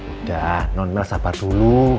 udah non mel sabar dulu